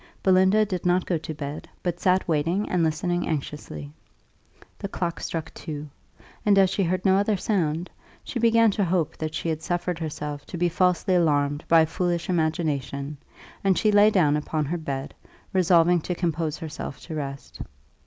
Belinda did not go to bed, but sat waiting and listening anxiously. The clock struck two; and as she heard no other sound, she began to hope that she had suffered herself to be falsely alarmed by a foolish imagination, and she lay down upon her bed, resolving to compose herself to rest.